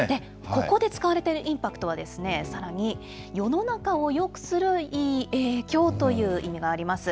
ここで使われているインパクトはさらに世の中をよくするいい影響という意味があります。